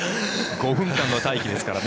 ５分間の待機ですからね。